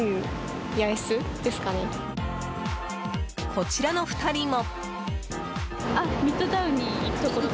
こちらの２人も。